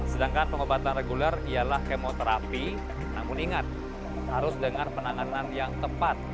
sedangkan pengobatan reguler ialah kemoterapi namun ingat harus dengan penanganan yang tepat